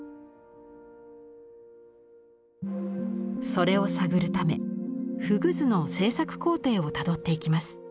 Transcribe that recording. それを探るため「河豚図」の制作工程をたどっていきます。